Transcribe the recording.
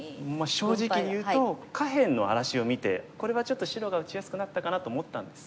正直にいうと下辺の荒らしを見てこれはちょっと白が打ちやすくなったかなと思ったんですが。